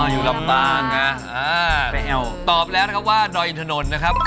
อยู่ลำปางนะตอบแล้วนะครับว่าดอยอินถนนนะครับ